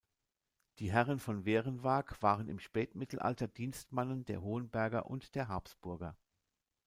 Die Herren von Werenwag waren im Spätmittelalter Dienstmannen der Hohenberger und der Habsburger.